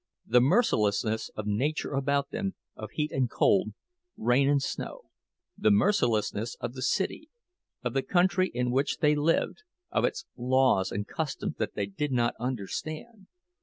The mercilessness of nature about them, of heat and cold, rain and snow; the mercilessness of the city, of the country in which they lived, of its laws and customs that they did not understand!